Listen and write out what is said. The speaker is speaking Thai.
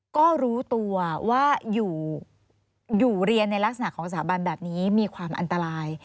ก็รู้ตัวว่าอยู่เรียนในลักษณะของสถาบันแบบนี้มีความอันตราย